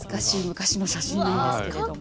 昔の写真なんですけれども。